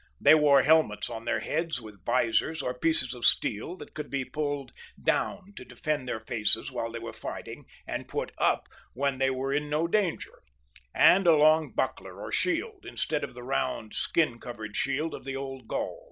They wore helmets on their heads with vizors or pieces of steel that could be puUed down to defend their faces while they were fighting, and put up when they were in no danger, and a long buckler or shield, instead of the round shield covered with skins, of the old Gaul.